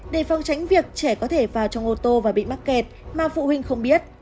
để phòng tránh việc trẻ có thể vào trong ô tô và bị mắc kẹt mà phụ huynh không biết